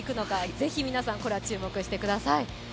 是非皆さん、これは注目してください。